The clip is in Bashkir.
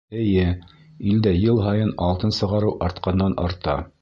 Эйе, илдә йыл һайын алтын сығарыу артҡандан-арта.